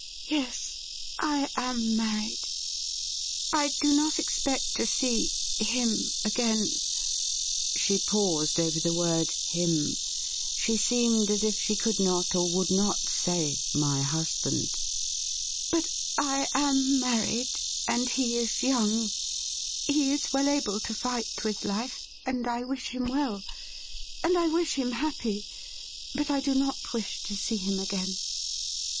' Yes, I am married. I do not expect to see him again.' She paused over the word ' him '; she seemed as if she could not or would not say 'my husband.' 'But I am married — and he is young ; he is well able to fight with life, and I wish him well, and I wish him happy, but I do not wish to see him again.